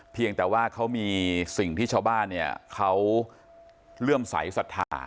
เพียงแต่ว่าเขามีสิ่งที่ชาวบ้านเนี่ยเขาเลื่อมใสสัทธา